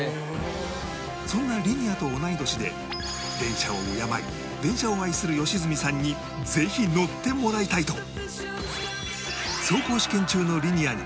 そんなリニアと同い年で電車を敬い電車を愛する良純さんにぜひ乗ってもらいたいと